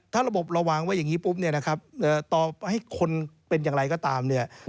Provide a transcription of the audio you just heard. ถ้าระบบเราวางไว้อย่างนี้ปุ๊บเนี่ยนะครับต่อให้คนเป็นอย่างไรก็ตามเนี่ย